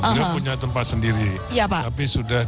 beliau punya tempat sendiri tapi sudah